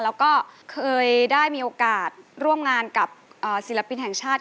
แล้วก็เคยได้มีโอกาสร่วมงานกับศิลปินแห่งชาติ